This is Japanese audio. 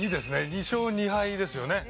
２勝２敗ですよね